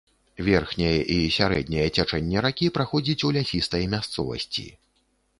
Верхняе і сярэдняе цячэнне ракі праходзіць ў лясістай мясцовасці.